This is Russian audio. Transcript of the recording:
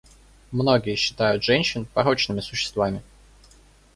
Многие считают женщин порочными существами.